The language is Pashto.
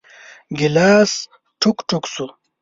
ګیلاس ټوک ، ټوک شو .